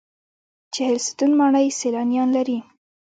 چهلستون ماڼۍ سیلانیان لري